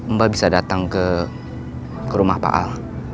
mbak bisa datang ke rumah pak al